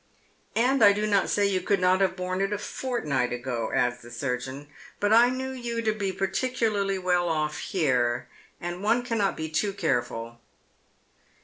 " And I do not say you could not have borne it a fortnight ago," adds the surgeon, " but I knew you to be particularly well oif here, and one cannot be too careful."